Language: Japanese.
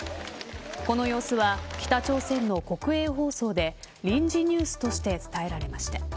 この様子は、北朝鮮の国営放送で臨時ニュースとして伝えられました。